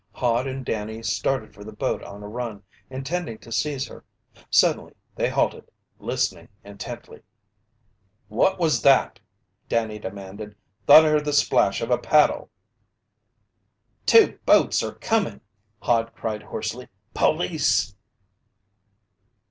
Hod and Danny started for the boat on a run, intending to seize her. Suddenly, they halted, listening intently. "What was that?" Danny demanded. "Thought I heard the splash of a paddle!" "Two boats are coming!" Hod cried hoarsely. "Police!"